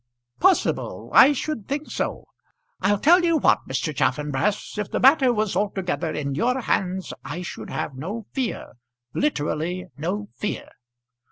"Possible! I should think so. I'll tell you what, Mr. Chaffanbrass, if the matter was altogether in your hands I should have no fear, literally no fear."